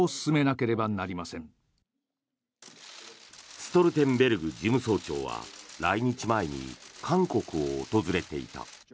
ストルテンベルグ事務総長は来日前に韓国を訪れていた。